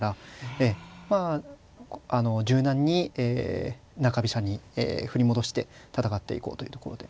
ええまあ柔軟に中飛車に振り戻して戦っていこうというところで。